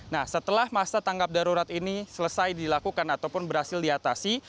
nah setelah masa tanggap darurat ini selesai dilakukan ataupun berhasil diatasi